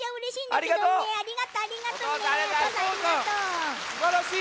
すばらしい！